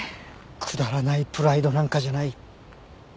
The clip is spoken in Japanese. くだらないプライドなんかじゃない。